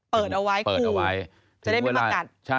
เปิดเอาไว้ครู